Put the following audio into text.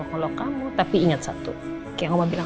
kalau nangis peluk aja